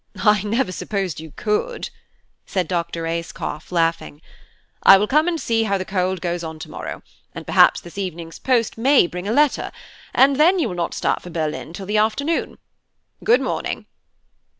"I never supposed you could," said Dr. Ayscough, laughing. "I will come and see how the cold goes on to morrow, and perhaps this evening's post may bring a letter; and then you will not start for Berlin till the afternoon. Good morning."